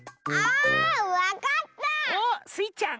あわかった！